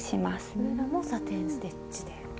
これらもサテン・ステッチで。